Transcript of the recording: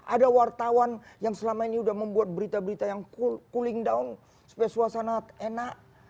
ada wartawan yang selama ini sudah membuat berita berita yang cooling down supaya suasana enak